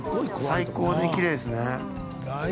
最高にきれいですね。